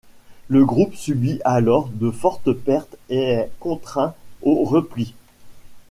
Le groupe subit alors de fortes pertes et est contraint au repli.